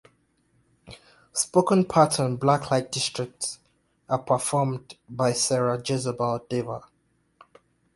Spoken parts on "Black Light District" are performed by Sarah Jezebel Deva.